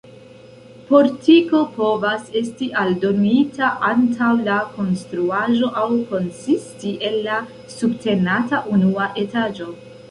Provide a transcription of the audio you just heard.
Portiko povas esti aldonita antaŭ la konstruaĵo aŭ konsisti el la subtenata unua etaĝo.